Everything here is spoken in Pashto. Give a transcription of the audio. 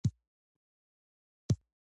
شاه عباس وروسته له خپلې پرېکړې سخت پښېمانه شو.